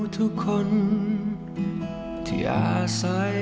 ดีจริง